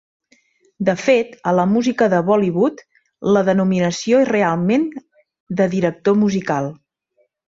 De fet, a la música de Bollywood, la denominació és realment de director musical.